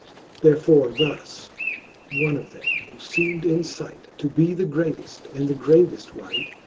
Therefore thus one of them, who feem'd in fight To be the greateft and the graved wight.